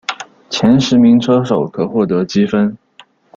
前十名车手可获得积分。